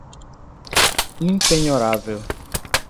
impenhorável